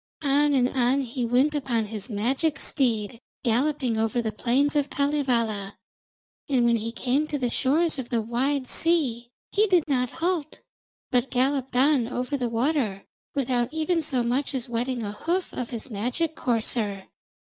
On and on he went upon his magic steed, galloping over the plains of Kalevala. And when he came to the shores of the wide sea, he did not halt, but galloped on over the water without even so much as wetting a hoof of his magic courser.